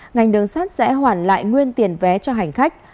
ngành đường sắt sẽ hoàn lạc